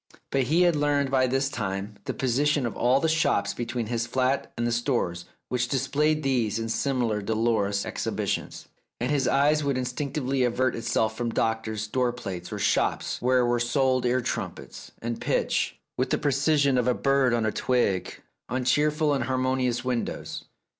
But 285 The Tragedy of Oliver Bowman he had learned by this time the position of all the shops between his flat and the Stores which displayed these and similar dolorous exhibitions, and his eye would instinctively avert itself from doctors' door plates or shops where were sold ear trumpets, and pitch, with the precision of a bird on a twig, on cheerful and harmonious windows.